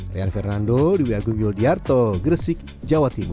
rian fernando diwia gunggil diarto gresik jawa timur